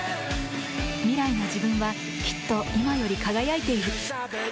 未来の自分はきっと今より輝いている。